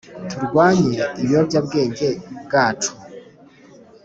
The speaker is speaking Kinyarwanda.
Turwanye ibiyobya bwenge bwacu